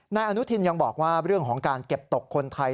นายอนุทินยังบอกว่าเรื่องของการเก็บตกคนไทย